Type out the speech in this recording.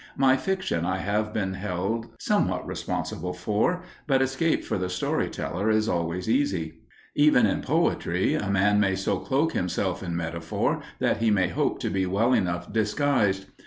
My fiction I have been held somewhat responsible for, but escape for the story teller is always easy. Even in poetry a man may so cloak himself in metaphor that he may hope to be well enough disguised.